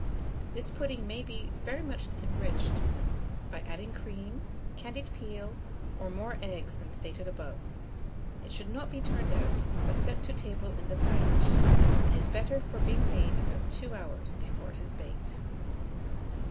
This pudding may be very much enriched by adding cream, candied peel, or more eggs than stated above. It should not be turned out, but sent to table in the pie dish, and is better for being made about 2 hours before it is baked.